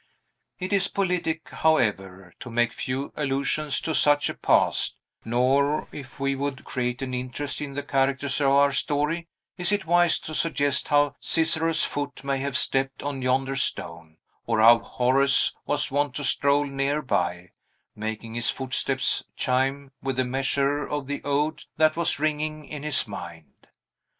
It is politic, however, to make few allusions to such a past; nor, if we would create an interest in the characters of our story, is it wise to suggest how Cicero's foot may have stepped on yonder stone, or how Horace was wont to stroll near by, making his footsteps chime with the measure of the ode that was ringing in his mind.